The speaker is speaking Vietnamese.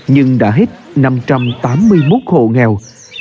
nhưng đã hết năm trăm tám mươi một hộ nghèo